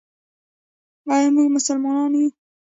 آیا موږ مسلمانان یو؟